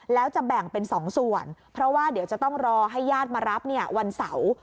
แล้วจะแบ่งเป็น๒ส่วนเพราะว่าเดี๋ยวจะต้องรอให้ญาติมารับเนี่ยวันเสาร์